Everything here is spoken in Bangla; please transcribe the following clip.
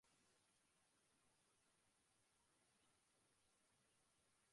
একটা কনেকে খুশির সাথে বিদায় করো, রামা।